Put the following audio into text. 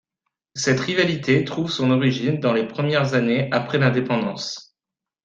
Cette rivalité trouve son origine dans les premières années après l'indépendance.